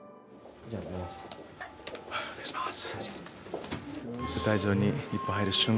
お願いします。